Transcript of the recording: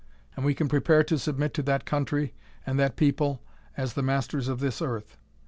And we can prepare to submit to that country and that people as the masters of this earth.